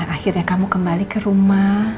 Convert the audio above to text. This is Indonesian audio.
akhirnya kamu kembali ke rumah